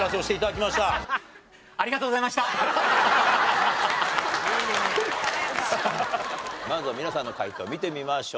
まずは皆さんの解答見てみましょう。